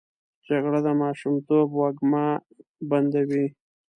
جګړه د ماشومتوب وږمه بندوي